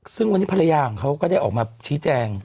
ซึ่งวันนี้ภรรยาของเขาก็ได้ออกมาชี้แจง